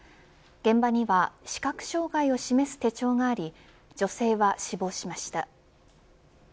現場には視覚障害を示す手帳があり女性は死亡しました。